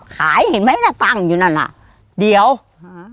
ขายเห็นไหมนะตังค์อยู่นั่น่ะเดี๋ยวหาห้า